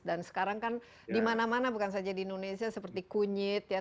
dan sekarang kan di mana mana bukan saja di indonesia seperti kunyit ya